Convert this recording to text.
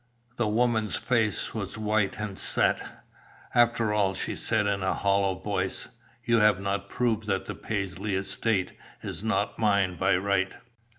The woman's face was white and set. "After all," she said in a hollow voice, "you have not proved that the Paisley estate is not mine by right.